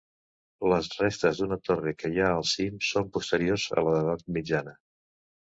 Les restes d'una torre que hi ha al cim són posteriors a l'edat mitjana.